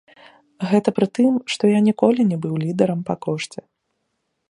Гэта пры тым, што я ніколі не быў лідэрам па кошце.